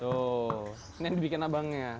tuh ini yang dibikin abangnya